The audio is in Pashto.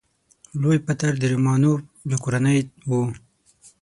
لوی پطر د رومانوف له کورنۍ و.